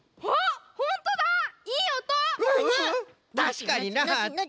たしかになって。